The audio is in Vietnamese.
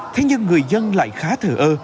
thế nhưng người dân lại khá thở ơ